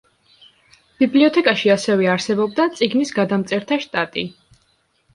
ბიბლიოთეკაში ასევე არსებობდა წიგნის გადამწერთა შტატი.